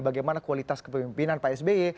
bagaimana kualitas kepemimpinan pak sby